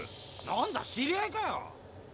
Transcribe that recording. なんだ知り合いかよ！